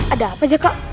ada apa jaka